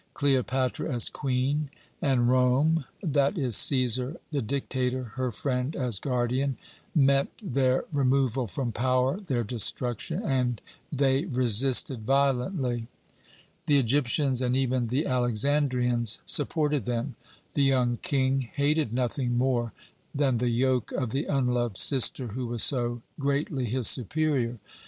Cleopatra as Queen, and Rome that is Cæsar, the dictator, her friend, as guardian meant their removal from power, their destruction, and they resisted violently. "The Egyptians and even the Alexandrians supported them. The young King hated nothing more than the yoke of the unloved sister, who was so greatly his superior.